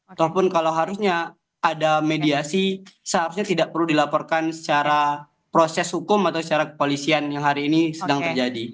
ataupun kalau harusnya ada mediasi seharusnya tidak perlu dilaporkan secara proses hukum atau secara kepolisian yang hari ini sedang terjadi